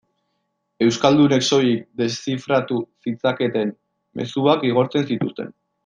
Euskaldunek soilik deszifratu zitzaketen mezuak igortzen zituzten.